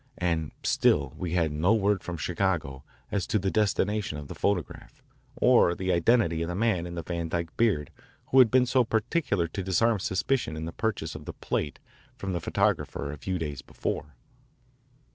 And still we had no word from Chicago as to the destination of the photograph, or the identity of the man in the Van Dyke beard who had been so particular to disarm suspicion in the purchase of the plate from the photographer a few days before.